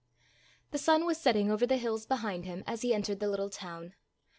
The sun was setting over the hills behind him as he entered the little town.